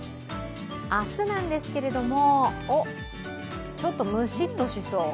明日なんですけれども、ちょっとムシッとしそう？